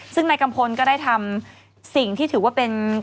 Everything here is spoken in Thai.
ซึ่งนายกัมพลก็ได้ทำสิ่งที่ถือว่าเป็น